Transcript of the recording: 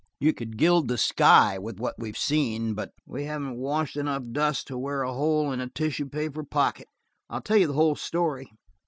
You could gild the sky with what we've seen but we haven't washed enough dust to wear a hole in a tissue paper pocket. I'll tell you the whole story.